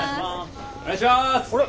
お願いします！